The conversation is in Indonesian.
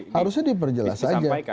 harusnya diperjelas aja